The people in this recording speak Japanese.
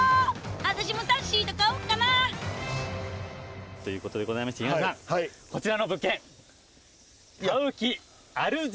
私もさっしーと買おっかなということでございまして東野さんこちらの物件。